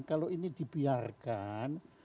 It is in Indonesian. kalau ini dibiarkan